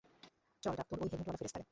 চল ডাক, তোর ঐ হেলমেটওয়ালা ফেরেশতারে।